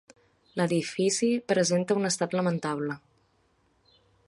L'edifici presenta un estat lamentable.